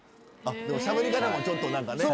しゃべり方もちょっと何かね。